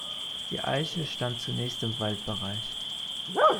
Die Eiche stand zunächst im Waldbereich.